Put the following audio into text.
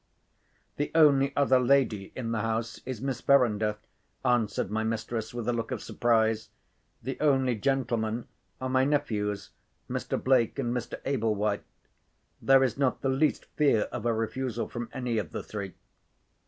"The only other lady in the house is Miss Verinder," answered my mistress, with a look of surprise. "The only gentlemen are my nephews, Mr. Blake and Mr. Ablewhite. There is not the least fear of a refusal from any of the three."